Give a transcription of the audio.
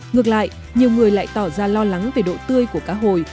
ngược lại nhiều người lại tỏ ra lo lắng về độ tươi của cá hồi